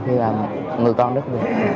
khi là người con đất việt